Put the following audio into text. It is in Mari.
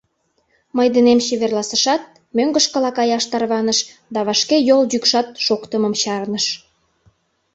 Мый денем чеверласышат, мӧҥгышкыла каяш тарваныш, да вашке йол йӱкшат шоктымым чарныш.